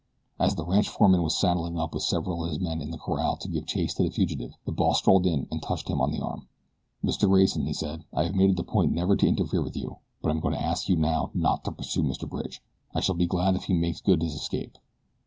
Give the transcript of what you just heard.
As the ranch foreman was saddling up with several of his men in the corral to give chase to the fugitive the boss strolled in and touched him on the arm. "Mr. Grayson," he said, "I have made it a point never to interfere with you; but I am going to ask you now not to pursue Mr. Bridge. I shall be glad if he makes good his escape.